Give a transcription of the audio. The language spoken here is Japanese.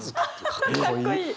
かっこいい！